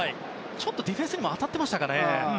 ちょっとディフェンスにも当たってましたかね。